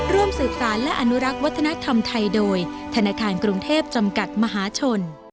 ร่วมสืบสารและอนุรักษ์วัฒนธรรมไทยโดยธนาคารกรุงเทพจำกัดมหาชน